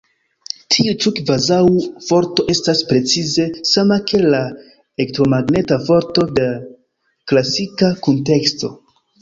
Tiu ĉi kvazaŭ-forto estas precize sama kiel la elektromagneta forto de klasika kunteksto.